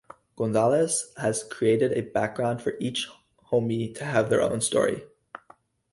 Gonzales has created a background for each Homie to have their own story.